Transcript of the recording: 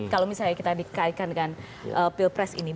kalau misalnya kita dikaitkan dengan pilpres ini